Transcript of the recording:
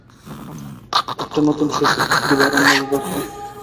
একটা নতুন শিশু, কি দারুন না ব্যাপারটা?